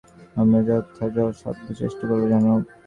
আমরা যথাসাধ্য চেষ্টা করব, জনাব।